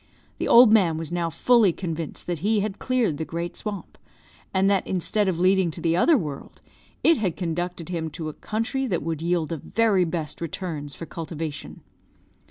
The old man was now fully convinced that he had cleared the great swamp; and that, instead of leading to the other world, it had conducted him to a country that would yield the very best returns for cultivation.